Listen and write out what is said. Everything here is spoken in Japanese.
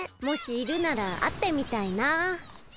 もしいるならあってみたいな。